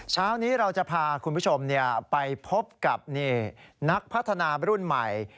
เช้านี้เราจะพาคุณผู้ชมไปพบกับนักพัฒนารุ่นใหม่